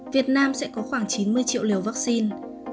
việt nam sẽ có khoảng chín mươi triệu liều vaccine